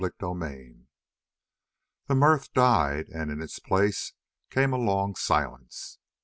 CHAPTER 14 The mirth died and in its place came a long silence.